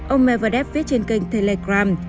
ông medvedev viết trên kênh telegram